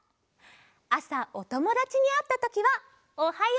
あさおともだちにあったときはおはよう！